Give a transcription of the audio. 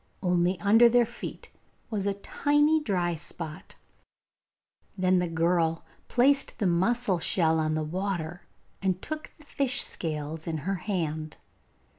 Only under their feet was a tiny dry spot. Then the girl placed the mussel shell on the water and took the fish scales in her hand.